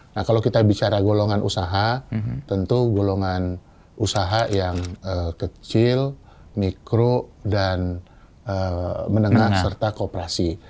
nah kalau kita bicara golongan usaha tentu golongan usaha yang kecil mikro dan menengah serta kooperasi